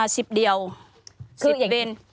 สิบเบน